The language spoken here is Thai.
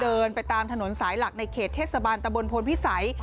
เดินไปตามถนนสายหลักในเขตเทศบาลตะบนพลพิสัย